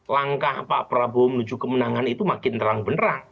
langkah pak prabowo menuju kemenangan itu makin terang benerang